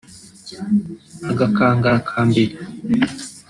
Agakangara ka mbere